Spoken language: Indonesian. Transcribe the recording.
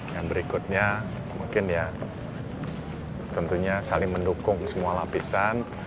yang berikutnya mungkin ya tentunya saling mendukung semua lapisan